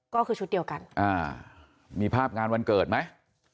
ก็คือชุดเดียวกันอ่ามีภาพงานวันเกิดไหม